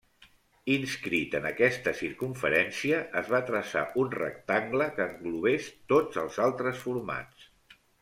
Inscrit en aquesta circumferència es va traçar un rectangle que englobés tots els altres formats.